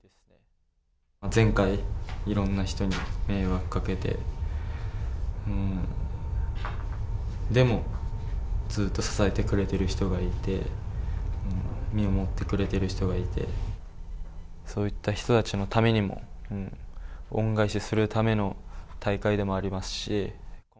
前回、いろんな人に迷惑かけて、でもずっと支えてくれてる人がいて、見守ってくれてる人がいて、そういった人たちのためにも、恩返しするための大会でもありますし。